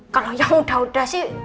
kalau yang udah udah sih